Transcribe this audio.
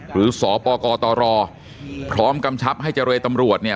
สปกตรพร้อมกำชับให้เจรตำรวจเนี่ย